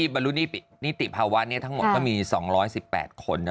บรรลุนิติภาวะทั้งหมดก็มี๒๑๘คน